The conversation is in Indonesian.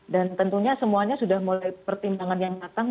dan tentunya semuanya sudah mulai pertimbangan yang matang